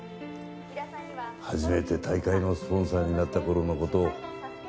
初めて大会のスポンサーになった頃の事を。